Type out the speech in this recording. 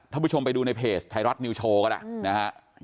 ถ้าผู้ชมไปดูในเพจไทยรัฐนิวโชว์ก็ได้